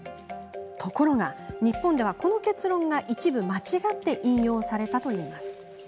ところが日本では、この結論が一部、間違って引用されたといいます。